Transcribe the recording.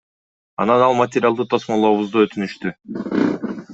Анан ал материалды тосмолообузду өтүнүштү.